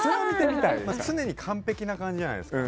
常に完璧な感じじゃないですか。